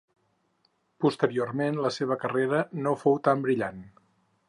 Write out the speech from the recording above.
Posteriorment la seva carrera no fou tan brillant.